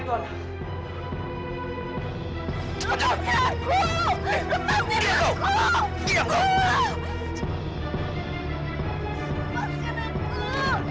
aku bunuh kamu